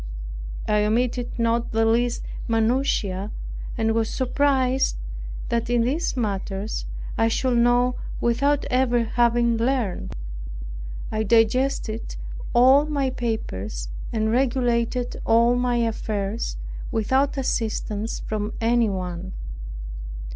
I omitted not the least minutia, and was surprised that in these matters I should know without ever having learned. I digested all my papers, and regulated all my affairs, without assistance from any one.